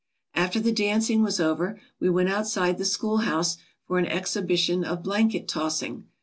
After the dancing was over we went outside the school house for an exhibition of blanket tossing.